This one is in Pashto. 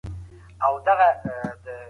زه له پلار سره ځم.